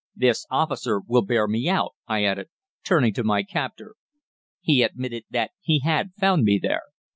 This officer will bear me out,' I added, turning to my captor. He admitted that he had found me there.